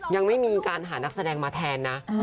ยังไม่มีการหานักแสดงมาแทนนะ